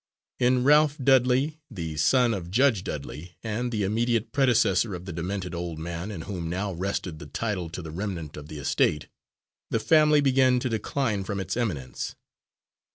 In Ralph Dudley, the son of Judge Dudley, and the immediate predecessor of the demented old man in whom now rested the title to the remnant of the estate, the family began to decline from its eminence.